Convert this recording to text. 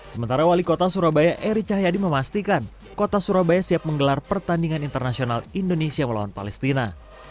sementara wali kota surabaya eri cahyadi memastikan kota surabaya siap menggelar pertandingan internasional indonesia melawan palestina